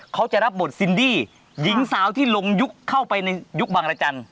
เขาจะรับบทซินดี้หญิงสาวที่ลงยุคเข้าไปในยุคบางรจันทร์